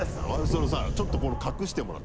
そのさちょっと隠してもらってさ。